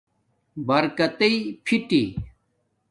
برکتݵ فیٹی